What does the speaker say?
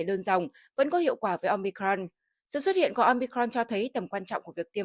đơn dòng vẫn có hiệu quả với omicron sự xuất hiện của omicron cho thấy tầm quan trọng của việc tiêm